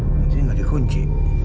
nanti gak dikunci